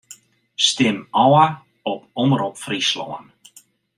Stim ôf op Omrop Fryslân.